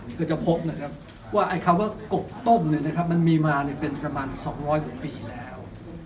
ก็จะพบว่าคำว่ากบต้มมีมาเป็นประมาณ๒๐๐บาทปีแล้ว